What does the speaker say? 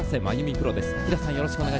プロです。